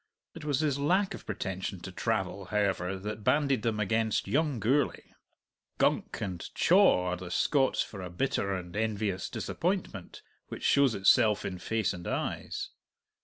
It was his lack of pretension to travel, however, that banded them against young Gourlay. "Gunk" and "chaw" are the Scots for a bitter and envious disappointment which shows itself in face and eyes.